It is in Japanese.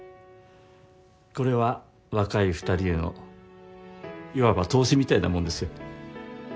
これは若い２人へのいわば投資みたいなもんですよ。